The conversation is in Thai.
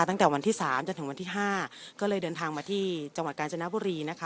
ตั้งแต่วันที่๓จนถึงวันที่ห้าก็เลยเดินทางมาที่จังหวัดกาญจนบุรีนะคะ